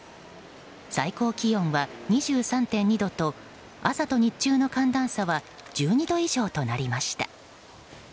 最高気温は２３．２度と朝と日中の寒暖差は１２度以上となりました。